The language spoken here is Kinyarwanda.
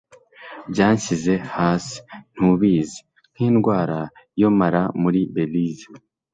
byanshyize hasi, ntubizi, nkindwara yo mara muri belize